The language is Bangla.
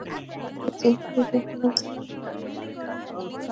চীন যদি ভালো করে, তাহলে সেটা আমাদের জন্য অনেক ভালো খবর।